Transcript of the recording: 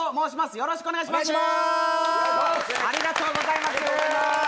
よろしくお願いします。